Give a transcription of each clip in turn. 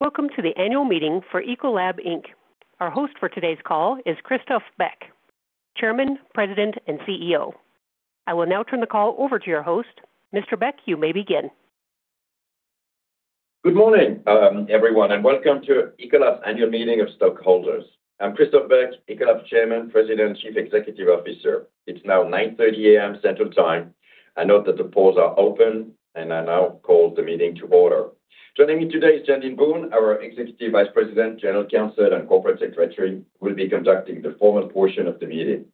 Welcome to the annual meeting for Ecolab Inc. Our host for today's call is Christophe Beck, Chairman, President, and CEO. I will now turn the call over to your host. Mr. Beck, you may begin. Good morning, everyone, and welcome to Ecolab's Annual Meeting of Stockholders. I'm Christophe Beck, Ecolab's Chairman, President, and Chief Executive Officer. It's now 9:30 A.M. Central Time. I note that the polls are open, and I now call the meeting to order. Joining me today is Jandeen Boone, our Executive Vice President, General Counsel, and Corporate Secretary, who will be conducting the formal portion of the meeting.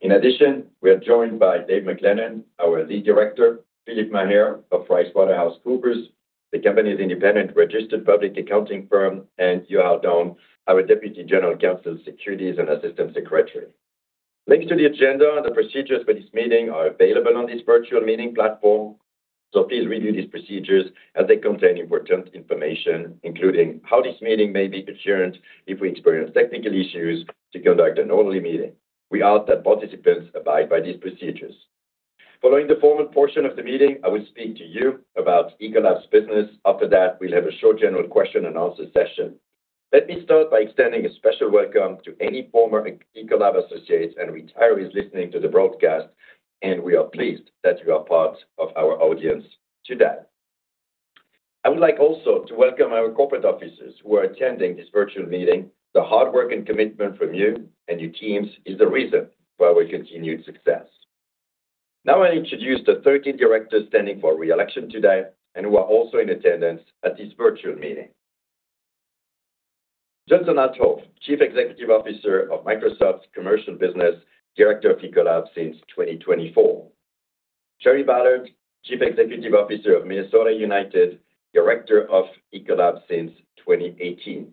In addition, we are joined by Dave MacLennan, our Lead Director, Philip Maher of PricewaterhouseCoopers, the company's independent registered public accounting firm, and Youhao Dong, our Deputy General Counsel of Securities and Assistant Secretary. Links to the agenda and the procedures for this meeting are available on this virtual meeting platform. Please review these procedures as they contain important information, including how this meeting may be adjourned if we experience technical issues to conduct an orderly meeting. We ask that participants abide by these procedures. Following the formal portion of the meeting, I will speak to you about Ecolab's business. After that, we'll have a short general question-and-answer session. Let me start by extending a special welcome to any former Ecolab associates and retirees listening to the broadcast. We are pleased that you are part of our audience today. I would like also to welcome our corporate officers who are attending this virtual meeting. The hard work and commitment from you and your teams is the reason for our continued success. Now I introduce the 13 Directors standing for re-election today and who are also in attendance at this virtual meeting. Judson Althoff, Chief Commercial Officer of Microsoft's commercial business, Director of Ecolab since 2024. Shari Ballard, Chief Executive Officer of Minnesota United, Director of Ecolab since 2018.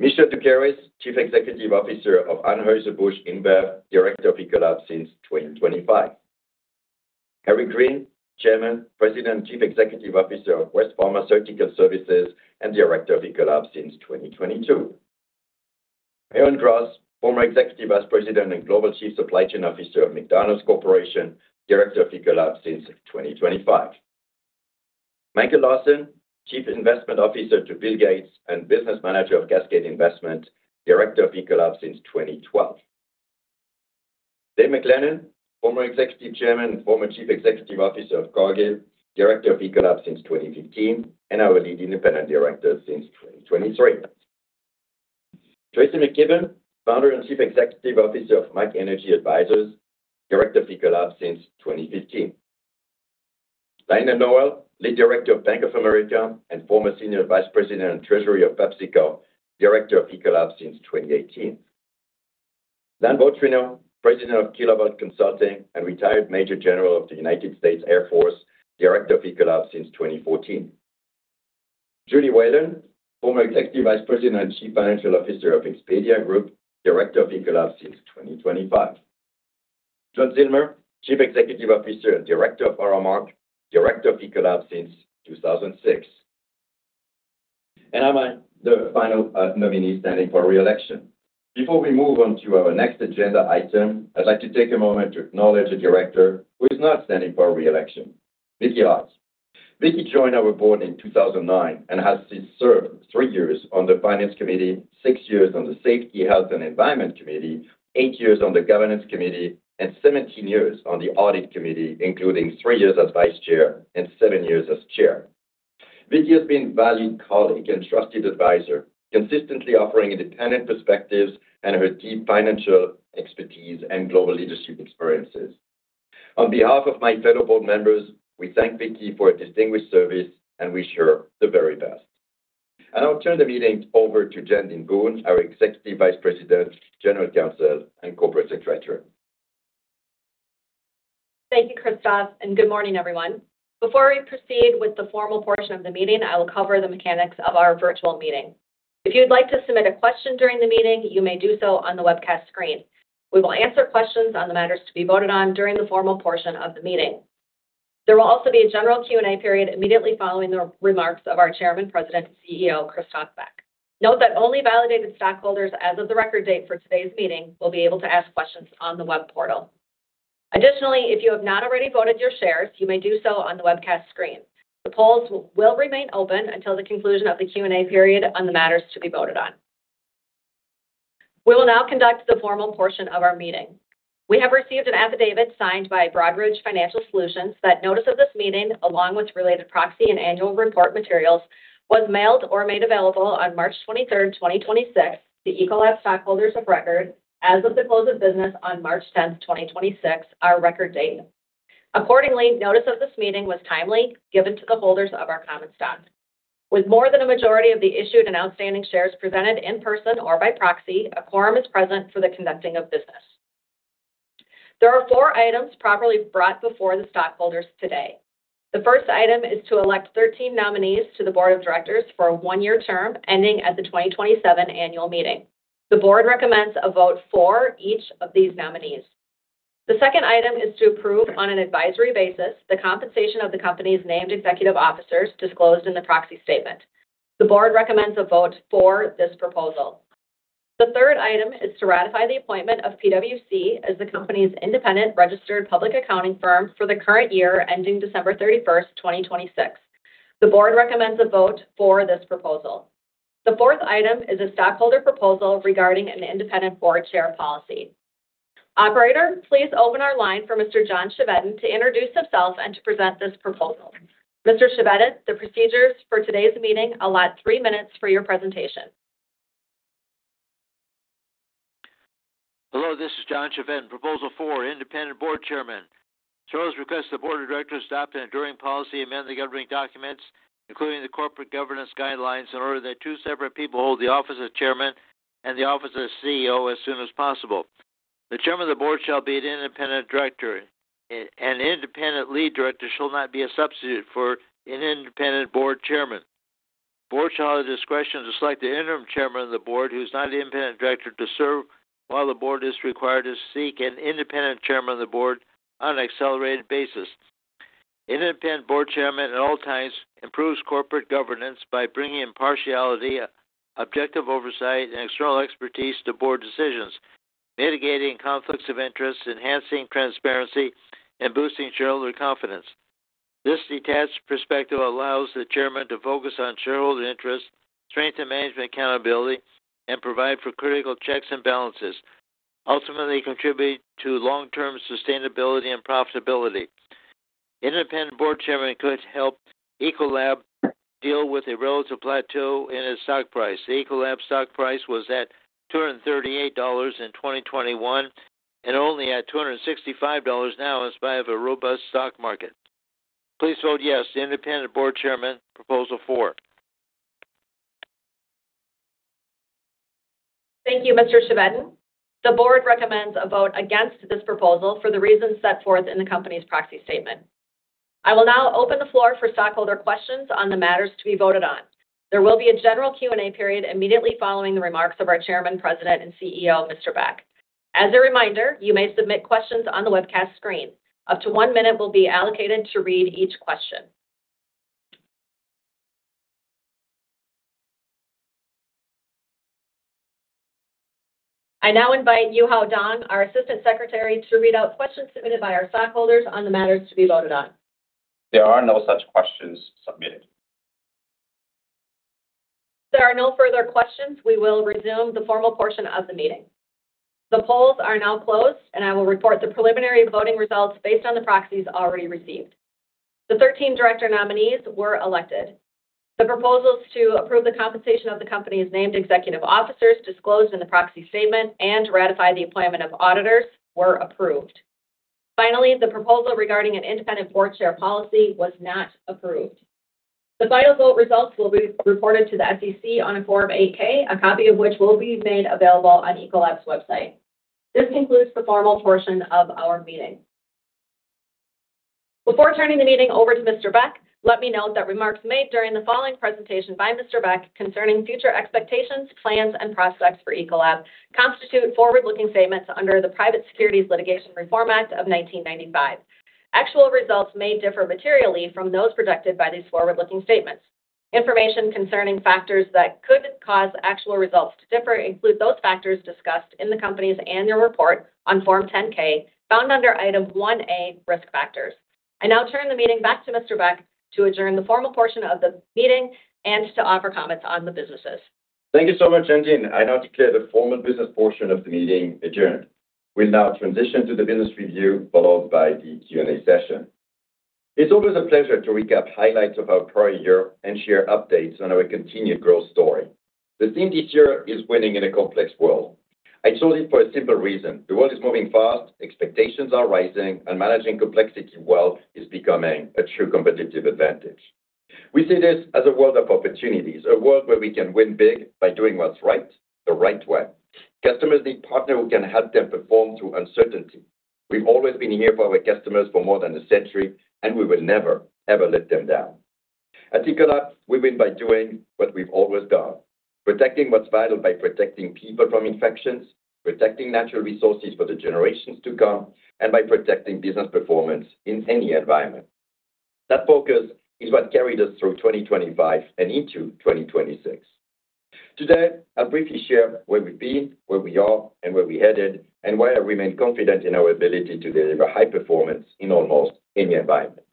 Michel Doukeris, Chief Executive Officer of Anheuser-Busch InBev, Director of Ecolab since 2025. Eric Green, Chairman, President, Chief Executive Officer of West Pharmaceutical Services, and Director of Ecolab since 2022. Marion Gross, former Executive Vice President and Global Chief Supply Chain Officer of McDonald's Corporation, Director of Ecolab since 2025. Michael Larson, Chief Investment Officer to Bill Gates and Business Manager of Cascade Investment, Director of Ecolab since 2012. Dave MacLennan, former Executive Chairman and former Chief Executive Officer of Cargill, Director of Ecolab since 2015 and our Lead Independent Director since 2023. Tracy McKibben, Founder and Chief Executive Officer of MAC Energy Advisors, Director of Ecolab since 2015. Lionel Nowell, Lead Director of Bank of America and former Senior Vice President and Treasurer of PepsiCo, Director of Ecolab since 2018. Zan Vautrinot, President of Kilovolt Consulting and retired Major General of the United States Air Force, Director of Ecolab since 2014. Julie Whalen, former Executive Vice President and Chief Financial Officer of Expedia Group, Director of Ecolab since 2025. John Zillmer, Chief Executive Officer and Director of Aramark, Director of Ecolab since 2006. I'm the final nominee standing for re-election. Before we move on to our next agenda item, I'd like to take a moment to acknowledge a Director who is not standing for re-election, Vicki Holt. Vicki joined our board in 2009 and has since served three years on the Finance Committee, six years on the Safety, Health, and Environment Committee, eight years on the Governance Committee, and 17 years on the Audit Committee, including three years as Vice Chair and seven years as Chair. Vicki has been a valued colleague and trusted advisor, consistently offering independent perspectives and her deep financial expertise and global leadership experiences. On behalf of my fellow board members, we thank Vicki for her distinguished service and wish her the very best. I now turn the meeting over to Jandeen Boone, our Executive Vice President, General Counsel, and Corporate Secretary. Thank you, Christophe, and good morning, everyone. Before we proceed with the formal portion of the meeting, I will cover the mechanics of our virtual meeting. If you'd like to submit a question during the meeting, you may do so on the webcast screen. We will answer questions on the matters to be voted on during the formal portion of the meeting. There will also be a general Q&A period immediately following the remarks of our Chairman, President, and CEO, Christophe Beck. Note that only validated stockholders as of the record date for today's meeting will be able to ask questions on the web portal. Additionally, if you have not already voted your shares, you may do so on the webcast screen. The polls will remain open until the conclusion of the Q&A period on the matters to be voted on. We will now conduct the formal portion of our meeting. We have received an affidavit signed by Broadridge Financial Solutions that notice of this meeting, along with related proxy and annual report materials, was mailed or made available on March 23, 2026 to Ecolab stockholders of record as of the close of business on March 10, 2026, our record date. Accordingly, notice of this meeting was timely given to the holders of our common stock. With more than a majority of the issued and outstanding shares presented in person or by proxy, a quorum is present for the conducting of business. There are four items properly brought before the stockholders today. The first item is to elect 13 nominees to the board of directors for a one-year term ending at the 2027 annual meeting. The board recommends a vote for each of these nominees. The second item is to approve, on an advisory basis, the compensation of the company's named executive officers disclosed in the proxy statement. The board recommends a vote for this proposal. The third item is to ratify the appointment of PwC as the company's independent registered public accounting firm for the current year ending December 31, 2026. The board recommends a vote for this proposal. The fourth item is a stockholder proposal regarding an independent board chair policy. Operator, please open our line for Mr. John Chevedden to introduce himself and to present this proposal. Mr. Chevedden, the procedures for today's meeting allot three minutes for your presentation. Hello, this is John Chevedden. Proposal four: Independent Board Chairman. Shareholders request the Board of Directors adopt an enduring policy, amend the governing documents, including the corporate governance guidelines, in order that two separate people hold the office of Chairman and the office of CEO as soon as possible. The Chairman of the Board shall be an Independent Director. An Independent Lead Director shall not be a substitute for an Independent Board Chairman. Board shall have the discretion to select the interim Chairman of the Board, who's not an Independent Director, to serve while the board is required to seek an Independent Chairman of the Board on an accelerated basis. Independent Board Chairman at all times improves corporate governance by bringing impartiality, objective oversight, and external expertise to board decisions, mitigating conflicts of interest, enhancing transparency, and boosting shareholder confidence. This detached perspective allows the chairman to focus on shareholder interest, strengthen management accountability, and provide for critical checks and balances, ultimately contributing to long-term sustainability and profitability. Independent Board Chairman could help Ecolab deal with a relative plateau in its stock price. The Ecolab stock price was at $238 in 2021 and only at $265 now in spite of a robust stock market. Please vote yes, Independent Board Chairman, proposal four. Thank you, Mr. Chevedden. The board recommends a vote against this proposal for the reasons set forth in the company's proxy statement. I will now open the floor for stockholder questions on the matters to be voted on. There will be a general Q&A period immediately following the remarks of our Chairman, President, and CEO, Mr. Beck. As a reminder, you may submit questions on the webcast screen. Up to one minute will be allocated to read each question. I now invite Youhao Dong, our Assistant Secretary, to read out questions submitted by our stockholders on the matters to be voted on. There are no such questions submitted. If there are no further questions, we will resume the formal portion of the meeting. The polls are now closed, and I will report the preliminary voting results based on the proxies already received. The 13 director nominees were elected. The proposals to approve the compensation of the company's named executive officers disclosed in the proxy statement and to ratify the appointment of auditors were approved. Finally, the proposal regarding an independent board chair policy was not approved. The final vote results will be reported to the SEC on a Form 8-K, a copy of which will be made available on Ecolab's website. This concludes the formal portion of our meeting. Before turning the meeting over to Mr. Beck, let me note that remarks made during the following presentation by Mr. Beck concerning future expectations, plans, and prospects for Ecolab constitute forward-looking statements under the Private Securities Litigation Reform Act of 1995. Actual results may differ materially from those predicted by these forward-looking statements. Information concerning factors that could cause actual results to differ include those factors discussed in the company's annual report on Form 10-K, found under item 1-A, risk factors. I now turn the meeting back to Mr. Beck to adjourn the formal portion of the meeting and to offer comments on the businesses. Thank you so much, Jandeen. I now declare the formal business portion of the meeting adjourned. We'll now transition to the business review, followed by the Q&A session. It's always a pleasure to recap highlights of our prior year and share updates on our continued growth story. The theme this year is winning in a complex world. I chose it for a simple reason. The world is moving fast, expectations are rising. Managing complexity well is becoming a true competitive advantage. We see this as a world of opportunities, a world where we can win big by doing what's right the right way. Customers need partner who can help them perform through uncertainty. We've always been here for our customers for more than a century. We will never, ever let them down. At Ecolab, we win by doing what we've always done, protecting what's vital by protecting people from infections, protecting natural resources for the generations to come, and by protecting business performance in any environment. That focus is what carried us through 2025 and into 2026. Today, I'll briefly share where we've been, where we are, and where we're headed, and why I remain confident in our ability to deliver high performance in almost any environment.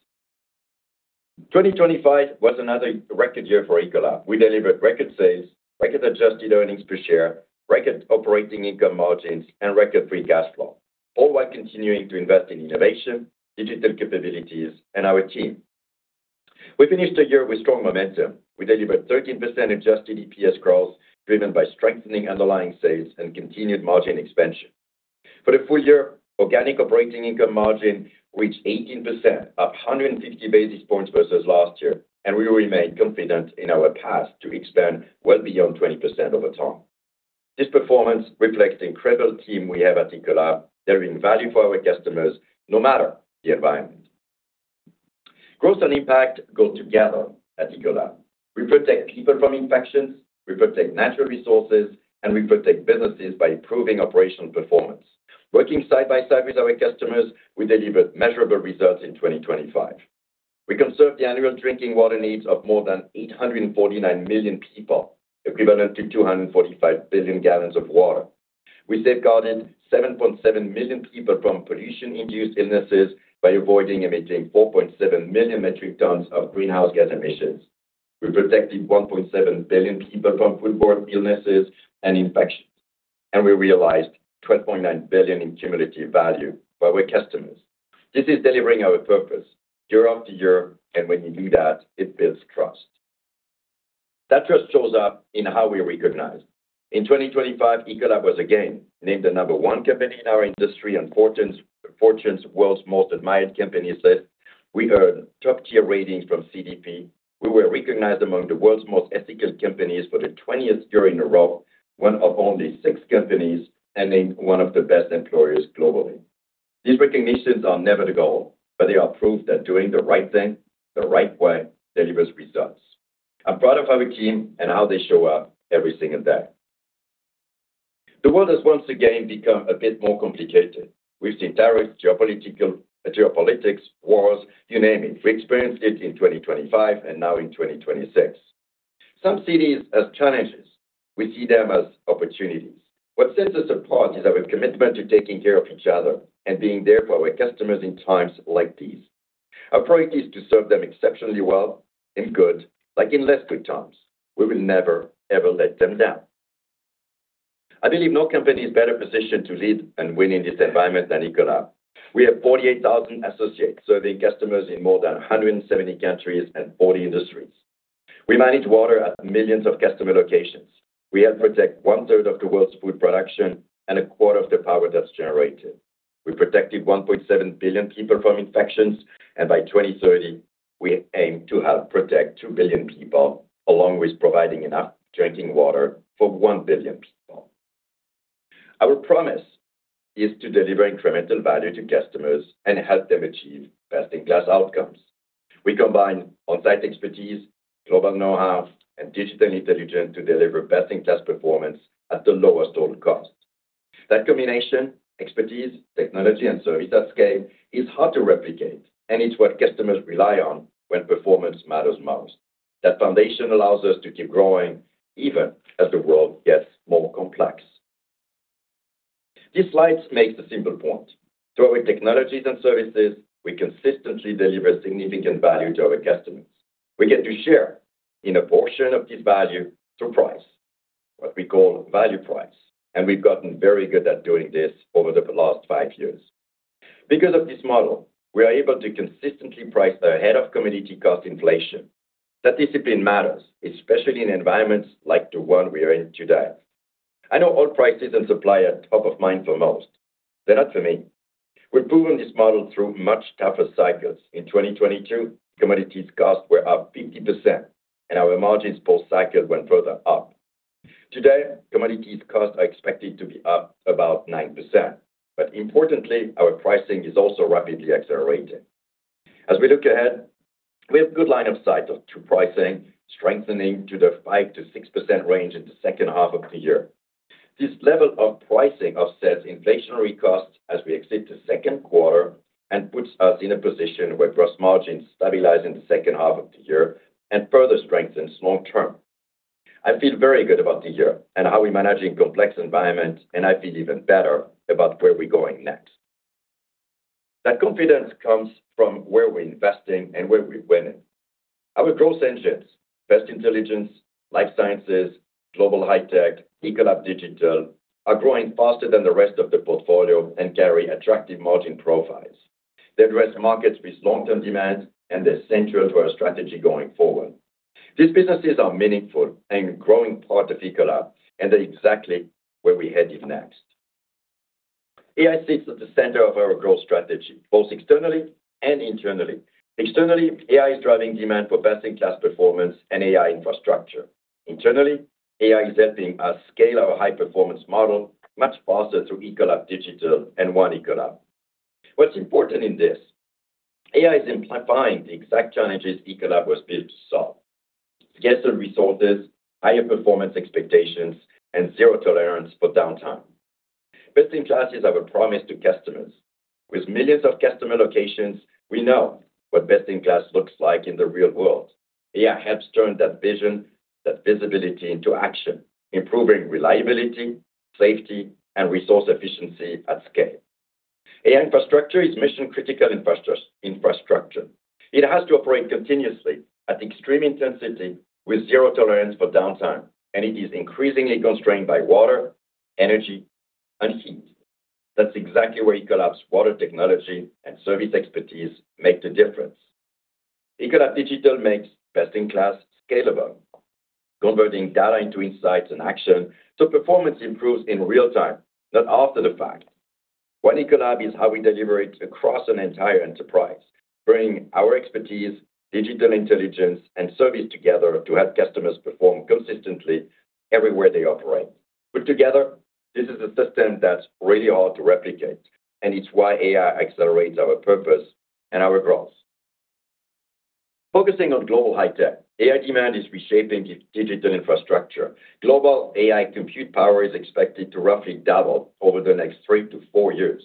2025 was another record year for Ecolab. We delivered record sales, record adjusted earnings per share, record operating income margins, and record free cash flow, all while continuing to invest in innovation, digital capabilities, and our team. We finished the year with strong momentum. We delivered 13% adjusted EPS growth, driven by strengthening underlying sales and continued margin expansion. For the full year, organic operating income margin reached 18%, up 150 basis points versus last year, and we remain confident in our path to expand well beyond 20% over time. This performance reflects the incredible team we have at Ecolab, delivering value for our customers no matter the environment. Growth and impact go together at Ecolab. We protect people from infections, we protect natural resources, and we protect businesses by improving operational performance. Working side by side with our customers, we delivered measurable results in 2025. We conserved the annual drinking water needs of more than 849 million people, equivalent to 245 billion gal of water. We safeguarded 7.7 million people from pollution-induced illnesses by avoiding emitting 4.7 million metric tons of greenhouse gas emissions. We protected 1.7 billion people from foodborne illnesses and infections. We realized $12.9 billion in cumulative value by our customers. This is delivering our purpose year-after-year. When you do that, it builds trust. That trust shows up in how we are recognized. In 2025, Ecolab was again named the number one company in our industry on Fortune's World's Most Admired Companies list. We earned top-tier ratings from CDP. We were recognized among the world's most ethical companies for the 20th year in a row, one of only six companies, and named one of the best employers globally. These recognitions are never the goal. They are proof that doing the right thing the right way delivers results. I'm proud of our team and how they show up every single day. The world has once again become a bit more complicated. We've seen tariffs, geopolitics, wars, you name it. We experienced it in 2025 and now in 2026. Some see these as challenges. We see them as opportunities. What sets us apart is our commitment to taking care of each other and being there for our customers in times like these. Our priority is to serve them exceptionally well in good like in less good times. We will never, ever let them down. I believe no company is better positioned to lead and win in this environment than Ecolab. We have 48,000 associates serving customers in more than 170 countries and 40 industries. We manage water at millions of customer locations. We help protect 1/3 of the world's food production and a quarter of the power that's generated. We protected 1.7 billion people from infections, and by 2030, we aim to help protect 2 billion people, along with providing enough drinking water for 1 billion people. Our promise is to deliver incremental value to customers and help them achieve best-in-class outcomes. We combine on-site expertise, global know-how, and digital intelligence to deliver best-in-class performance at the lowest total cost. That combination, expertise, technology, and service at scale, is hard to replicate, and it's what customers rely on when performance matters most. That foundation allows us to keep growing even as the world gets more complex. This slide makes a simple point. Through our technologies and services, we consistently deliver significant value to our customers. We get to share in a portion of this value through price, what we call value price, and we've gotten very good at doing this over the last five years. Because of this model, we are able to consistently price ahead of commodity cost inflation. That discipline matters, especially in environments like the one we are in today. I know oil prices and supply are top of mind for most. They're not for me. We've proven this model through much tougher cycles. In 2022, commodities cost were up 50%, and our margins per cycle went further up. Today, commodities cost are expected to be up about 9%. Importantly, our pricing is also rapidly accelerating. As we look ahead, we have good line of sight to pricing strengthening to the 5%-6% range in the second half of the year. This level of pricing offsets inflationary costs as we exit the second quarter and puts us in a position where gross margins stabilize in the second half of the year and further strengthens long term. I feel very good about the year and how we manage in complex environments. I feel even better about where we're going next. That confidence comes from where we're investing and where we're winning. Our growth engines, Pest Intelligence, Life Sciences, Global High Tech, Ecolab Digital, are growing faster than the rest of the portfolio and carry attractive margin profiles. They address markets with long-term demand. They're central to our strategy going forward. These businesses are meaningful and a growing part of Ecolab. They're exactly where we're heading next. AI sits at the center of our growth strategy, both externally and internally. Externally, AI is driving demand for best-in-class performance and AI infrastructure. Internally, AI is helping us scale our high-performance model much faster through Ecolab Digital and One Ecolab. What's important in this, AI is simplifying the exact challenges Ecolab was built to solve. Scarcest resources, higher performance expectations, and zero tolerance for downtime. Best-in-class is our promise to customers. With millions of customer locations, we know what best-in-class looks like in the real world. AI helps turn that vision, that visibility into action, improving reliability, safety, and resource efficiency at scale. AI infrastructure is mission-critical infrastructure. It has to operate continuously at extreme intensity with zero tolerance for downtime, and it is increasingly constrained by water, energy, and heat. That's exactly where Ecolab's water technology and service expertise make the difference. Ecolab Digital makes best-in-class scalable, converting data into insights and action so performance improves in real time, not after the fact. One Ecolab is how we deliver it across an entire enterprise, bringing our expertise, digital intelligence, and service together to help customers perform consistently everywhere they operate. Put together, this is a system that's really hard to replicate. It's why AI accelerates our purpose and our growth. Focusing on Global High Tech, AI demand is reshaping digital infrastructure. Global AI compute power is expected to roughly double over the next three to four years.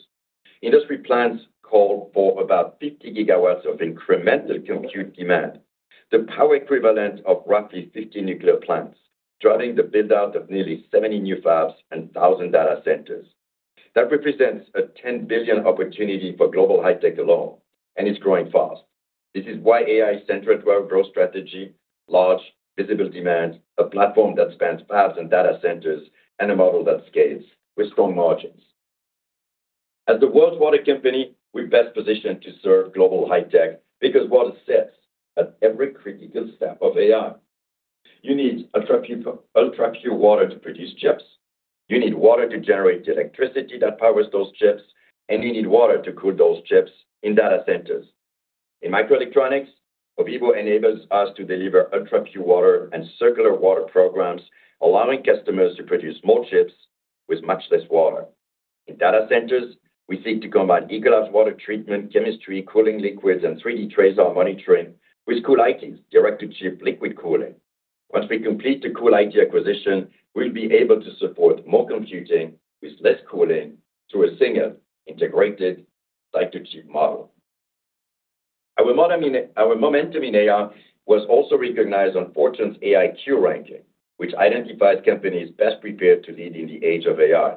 Industry plans call for about 50 GW of incremental compute demand. The power equivalent of roughly 50 nuclear plants, driving the build-out of nearly 70 new fabs and 1,000 data centers. That represents a $10 billion opportunity for Global High Tech alone. It's growing fast. This is why AI is central to our growth strategy, large visible demand, a platform that spans fabs and data centers, and a model that scales with strong margins. As the world's water company, we're best positioned to serve Global High Tech because water sits at every critical step of AI. You need ultra-pure water to produce chips. You need water to generate the electricity that powers those chips, and you need water to cool those chips in data centers. In microelectronics, Ovivo enables us to deliver ultra-pure water and circular water programs, allowing customers to produce more chips with much less water. In data centers, we seek to combine Ecolab's water treatment, chemistry, cooling liquids, and 3D TRASAR our monitoring with CoolIT Systems' direct-to-chip liquid cooling. Once we complete the CoolIT Systems acquisition, we'll be able to support more computing with less cooling through a single integrated site-to-chip model. Our momentum in AI was also recognized on Fortune's AIQ ranking, which identifies companies best prepared to lead in the age of AI.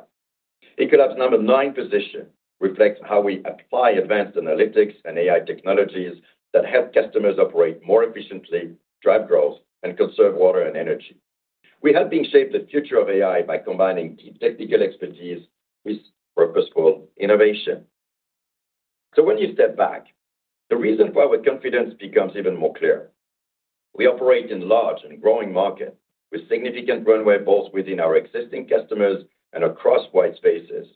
Ecolab's number nine position reflects how we apply advanced analytics and AI technologies that help customers operate more efficiently, drive growth, and conserve water and energy. We helping shape the future of AI by combining deep technical expertise with purposeful innovation. When you step back, the reason for our confidence becomes even more clear. We operate in large and growing market with significant runway, both within our existing customers and across white spaces.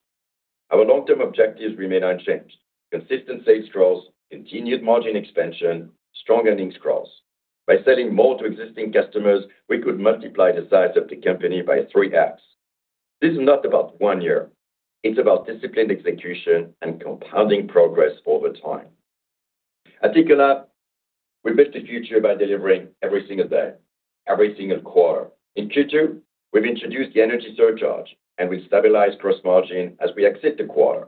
Our long-term objectives remain unchanged. Consistent sales growth, continued margin expansion, strong earnings growth. By selling more to existing customers, we could multiply the size of the company by 3x. This is not about one year. It's about disciplined execution and compounding progress over time. At Ecolab, we build the future by delivering every single day, every single quarter. In Q2, we've introduced the energy surcharge, and we stabilize gross margin as we exit the quarter.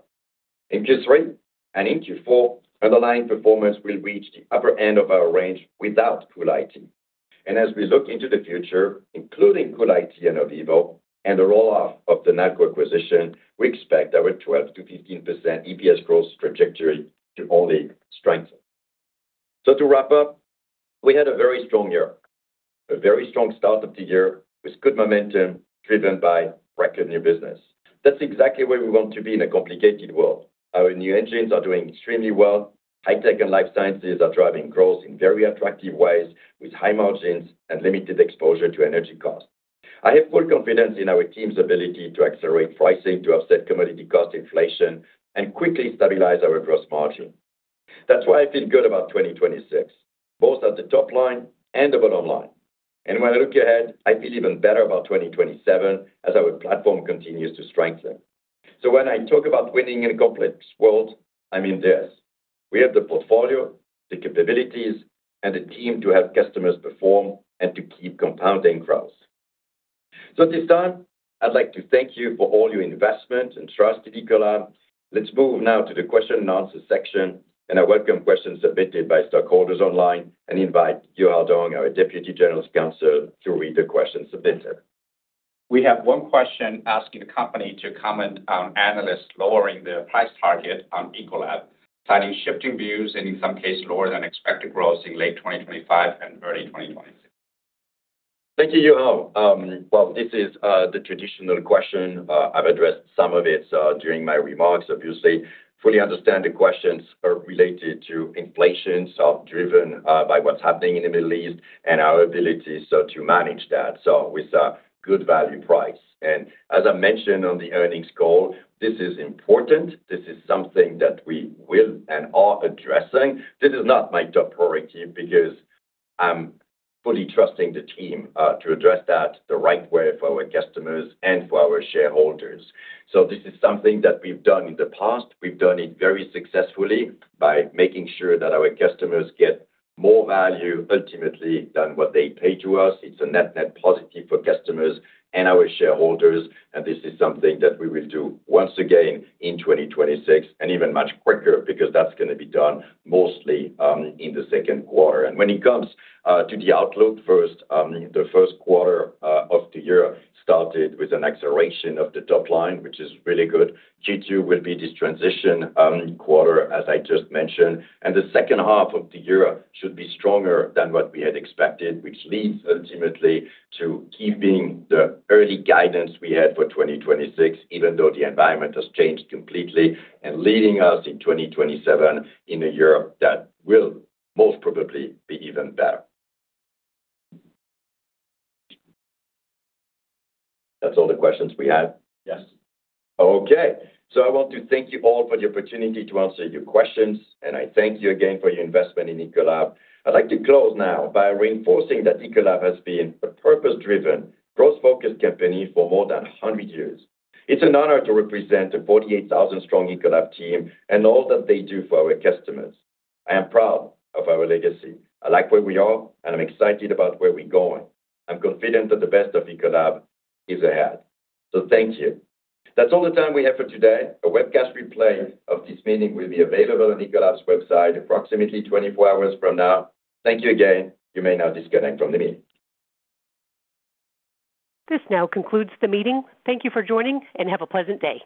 In Q3 and in Q4, underlying performance will reach the upper end of our range without CoolIT Systems. As we look into the future, including CoolIT Systems and Ovivo and the roll-off of the Nalco acquisition, we expect our 12%-15% EPS growth trajectory to only strengthen. To wrap up, we had a very strong year. A very strong start of the year with good momentum driven by record new business. That's exactly where we want to be in a complicated world. Our new engines are doing extremely well. High Tech and Life Sciences are driving growth in very attractive ways, with high margins and limited exposure to energy costs. I have full confidence in our team's ability to accelerate pricing to offset commodity cost inflation and quickly stabilize our gross margin. That's why I feel good about 2026, both at the top line and the bottom line. When I look ahead, I feel even better about 2027 as our platform continues to strengthen. When I talk about winning in a complex world, I mean this. We have the portfolio, the capabilities, and the team to help customers perform and to keep compounding growth. At this time, I'd like to thank you for all your investment and trust in Ecolab. Let's move now to the question-and-answer section. I welcome questions submitted by stockholders online and invite Youhao Dong, our Deputy General Counsel, to read the questions submitted. We have one question asking the company to comment on analysts' lowering their price target on Ecolab, citing shifting views and in some cases, lower-than-expected growth in late 2025 and early 2026. Thank you, Youhao. Well, this is the traditional question. I've addressed some of it during my remarks. Obviously, fully understand the questions are related to inflation, driven by what's happening in the Middle East and our ability to manage that with a good value price. As I mentioned on the earnings call, this is important. This is something that we will and are addressing. This is not my top priority because I'm fully trusting the team to address that the right way for our customers and for our shareholders. This is something that we've done in the past. We've done it very successfully by making sure that our customers get more value ultimately than what they pay to us. It's a net positive for customers and our shareholders. This is something that we will do once again in 2026 and even much quicker because that's going to be done mostly in the 2nd quarter. The 1st quarter of the year started with an acceleration of the top line, which is really good. Q2 will be this transition quarter, as I just mentioned. The 2nd half of the year should be stronger than what we had expected, which leads ultimately to keeping the early guidance we had for 2026, even though the environment has changed completely, leading us in 2027 in a year that will most probably be even better. That's all the questions we have? Yes. Okay. I want to thank you all for the opportunity to answer your questions, and I thank you again for your investment in Ecolab. I'd like to close now by reinforcing that Ecolab has been a purpose-driven, growth-focused company for more than 100 years. It's an honor to represent the 48,000-strong Ecolab team and all that they do for our customers. I am proud of our legacy. I like where we are, and I'm excited about where we're going. I'm confident that the best of Ecolab is ahead. Thank you. That's all the time we have for today. A webcast replay of this meeting will be available on Ecolab's website approximately 24 hours from now. Thank you again. You may now disconnect from the meeting. This now concludes the meeting. Thank you for joining and have a pleasant day.